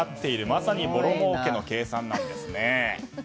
まさにぼろもうけの計算なんです。